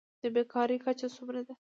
د بیکارۍ کچه څومره ده؟